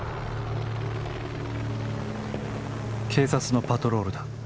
「警察のパトロールだ。